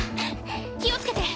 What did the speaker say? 気をつけて。